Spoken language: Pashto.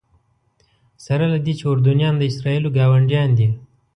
سره له دې چې اردنیان د اسرائیلو ګاونډیان دي.